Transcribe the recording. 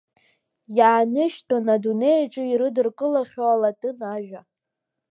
Иааныжьтәын адунеи аҿы ирыдыркылахьоу алатын ажәа.